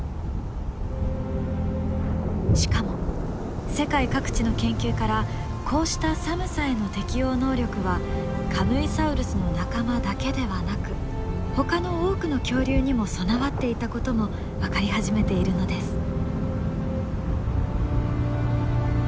しかも世界各地の研究からこうした寒さへの適応能力はカムイサウルスの仲間だけではなくほかの多くの恐竜にも備わっていたことも分かり始めているのです。